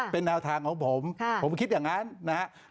เป็นแนวทางของผมผมคิดอย่างนั้นนะครับ